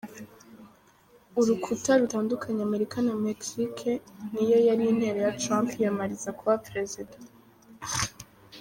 Urukuta rutandukanya Amerika na Mexique niyo yari intero ya Trump yiyamamariza kuba Perezida.